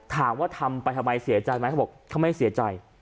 ถามว่าทำไปทำไมเสียใจไหมเขาบอกเขาไม่เสียใจ